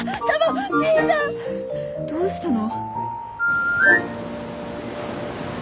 どうしたの？